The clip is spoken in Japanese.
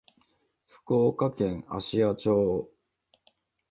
福岡県芦屋町